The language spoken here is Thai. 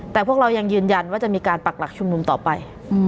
แต่พวกเรายังยืนยันว่าจะมีการปักหลักชุมนุมต่อไป